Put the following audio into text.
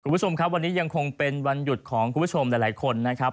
คุณผู้ชมครับวันนี้ยังคงเป็นวันหยุดของคุณผู้ชมหลายคนนะครับ